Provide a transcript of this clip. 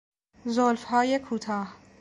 زلفهای کوتاه